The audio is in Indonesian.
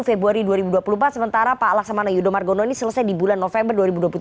februari dua ribu dua puluh empat sementara pak laksamana yudho margono ini selesai di bulan november dua ribu dua puluh tiga